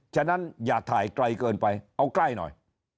ฉะนั้นอย่าถ่ายไกลเกินไปเอาใกล้หน่อย